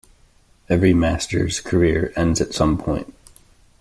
Every master's career ends at some point.